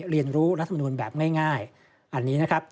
เรียนรู้รัฐมนูลแบบง่ายอันนี้นะครับ